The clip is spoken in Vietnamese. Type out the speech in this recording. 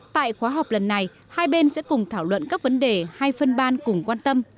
tại khóa họp lần này hai bên sẽ cùng thảo luận các vấn đề hai phân ban cùng quan tâm